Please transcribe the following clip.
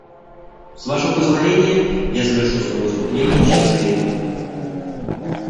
С Вашего позволения, я завершу свое выступление через две минуты.